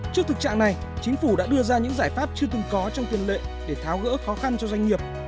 trước thực trạng này chính phủ đã đưa ra những giải pháp chưa từng có trong tiền lệ để tháo gỡ khó khăn cho doanh nghiệp